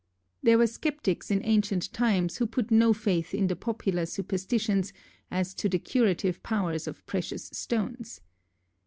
There were sceptics in ancient times who put no faith in the popular superstitions as to the curative powers of precious stones.